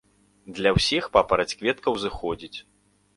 Для ўсіх папараць-кветка ўзыходзіць.